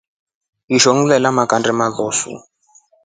Ishoo nʼgielya mangʼande maloosu.